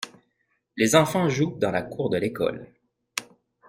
Les enfants jouent dans la cour de l’école.